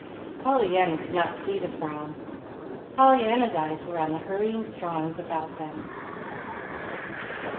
Pollyanna did not see the frown. Pollyanna's eyes were on the hurrying throngs about them.